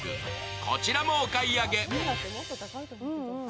こちらもお買い上げ。